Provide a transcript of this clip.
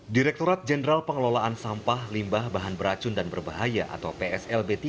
direkturat jenderal pengelolaan sampah limbah bahan beracun dan berbahaya atau pslb tiga